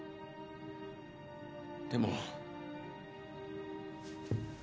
でも。